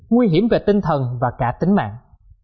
nguy hiểm về tinh thần và cả tính mạng